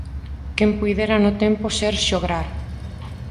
Quen puidera no tempo ser xograr!